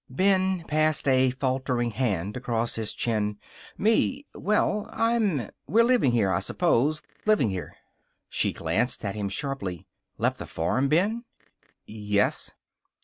Ben passed a faltering hand across his chin. "Me? Well, I'm we're living here, I s'pose. Livin' here." She glanced at him sharply. "Left the farm, Ben?" "Yes."